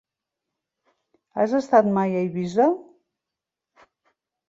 Has estat mai a Eivissa?